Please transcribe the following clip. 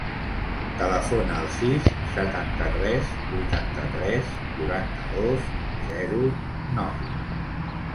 Telefona al sis, setanta-tres, vuitanta-tres, quaranta-dos, zero, nou.